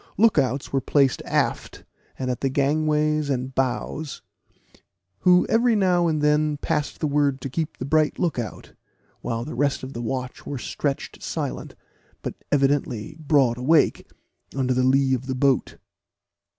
Look outs were placed aft, and at the gangways and bows, who every now and then passed the word to keep a bright look out, while the rest of the watch were stretched silent, but evidently broad awake, under the lee of the boat.